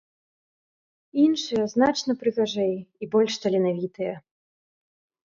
Іншыя значна прыгажэй і больш таленавітыя.